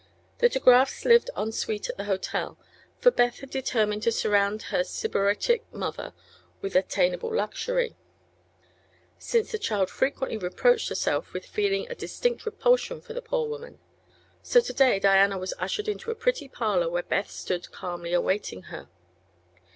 The De Grafs lived en suite at the hotel, for Beth had determined to surround her Sybaritic mother with all attainable luxury, since the child frequently reproached herself with feeling a distinct repulsion for the poor woman. So to day Diana was ushered into a pretty parlor where Beth stood calmly awaiting her.